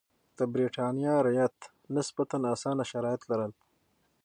د برېټانیا رعیت نسبتا اسانه شرایط لرل.